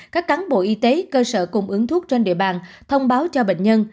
các cán bộ y tế cơ sở cung ứng thuốc trên địa bàn thông báo cho bệnh nhân